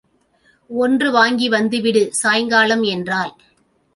ஒன்று வாங்கி வந்துவிடு சாயங்காலம் என்றாள்.